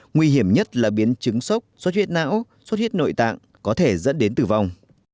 nguy hiểm nhất là biến chứng sốc xuất huyết não xuất huyết nội tạng có thể dẫn đến tử vong